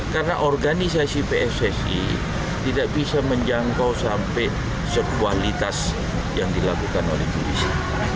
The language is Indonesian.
karena organisasi pssi tidak bisa menjangkau sampai sepualitas yang dilakukan oleh polisi